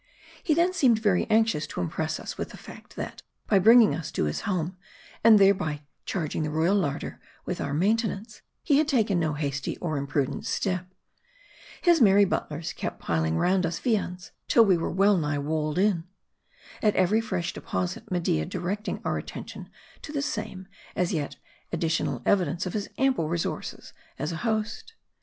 He then seemed very anx ious to impress us with the fact, that, by bringing us to his home, and thereby charging the royal larder with our main tenance, he had taken no hasty or imprudent step. His merry butlers kept piling round us viands, till we were well nigh walled in. At every fresh deposit, Media directing our attention to the same, as yet additional evidence of his ample resources as a host.